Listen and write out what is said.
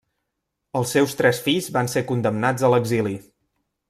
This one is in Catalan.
Els seus tres fills van ser condemnats a l'exili.